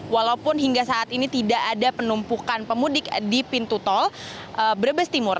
walaupun hingga saat ini tidak ada penumpukan pemudik di pintu tol brebes timur